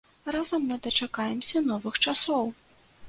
Разам мы дачакаемся новых часоў!